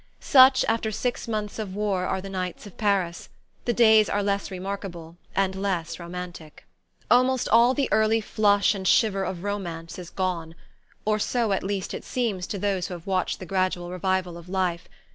Such, after six months of war, are the nights of Paris; the days are less remarkable and less romantic. Almost all the early flush and shiver of romance is gone; or so at least it seems to those who have watched the gradual revival of life.